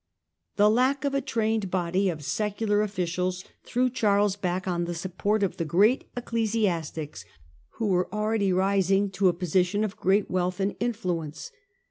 The lack of a trained body of secular officials thivw Charles back on the support of the great ecclesiastics who were already rising to a position of great wealth and influence.